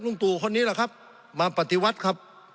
สงบจนจะตายหมดแล้วครับ